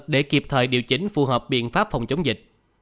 để kịp thời điều chỉnh phù hợp biện pháp phòng chống dịch